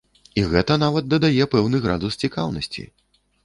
І гэта нават дадае пэўны градус цікаўнасці!